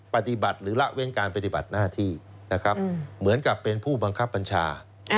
ปฏิบัติหรือละเว้นการปฏิบัติหน้าที่นะครับเหมือนกับเป็นผู้บังคับบัญชา